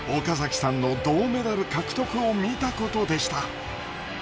岡崎さんの銅メダル獲得を見たことでした。